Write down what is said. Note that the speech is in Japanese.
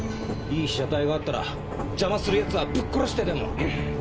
いい被写体があったら邪魔する奴はぶっ殺してでも。